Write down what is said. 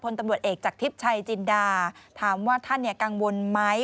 พลตำลวดเอกจากทิพชัยจินดาถามว่าท่านเนี้ยกังวลไหม